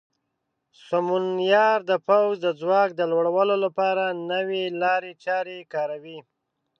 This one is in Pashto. سمونیار د پوځ د ځواک د لوړولو لپاره نوې لارې چارې کاروي.